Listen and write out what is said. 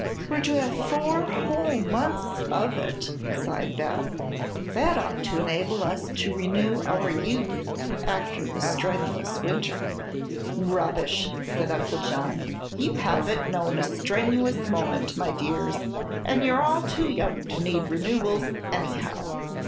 "We're to have four whole months of it," sighed Beth. "That ought to enable us to renew our youth, after the strenuous winter." "Rubbish!" said Uncle John. "You haven't known a strenuous moment, my dears, and you're all too young to need renewals, anyhow.